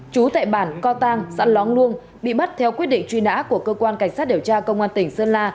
chú tại bản co tăng xã lóng luông bị bắt theo quyết định truy nã của cơ quan cảnh sát điều tra công an tỉnh sơn la